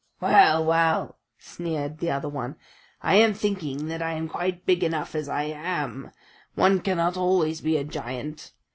"Well, well," sneered the other one, "I am thinking that I am quite big enough as I am one cannot always be a giant.